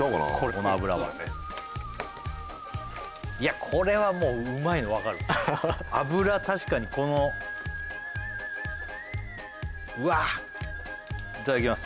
この脂はいやこれはもううまいの分かる脂確かにこのうわっいただきます